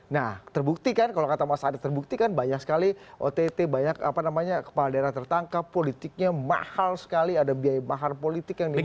nah terbukti kan kalau kata mas adek terbukti kan banyak sekali ott banyak apa namanya kepala daerah tertangkap politiknya mahal sekali ada biaya mahal politik yang dimana mana